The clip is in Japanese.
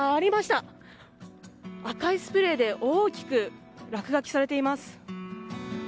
赤いスプレーで大きく落書きされています。